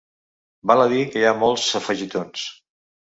Val a dir que hi ha molts afegitons.